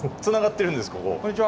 つながってるんですここ。